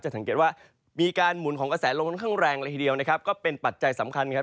สังเกตว่ามีการหมุนของกระแสลมค่อนข้างแรงเลยทีเดียวนะครับก็เป็นปัจจัยสำคัญครับ